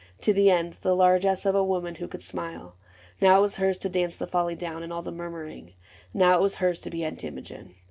— to the end The largess of a woman who could smile ; Now it was hers to dance the folly down, And all the murmuring ; now it was hers To be Aunt Imogen.